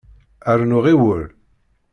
Rnu ɣiwel!